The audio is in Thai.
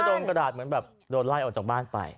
กระดาษเหมือนแบบโดนไล่ออกจากบ้านไป